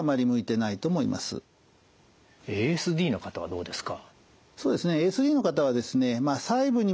ＡＳＤの方はどうですか？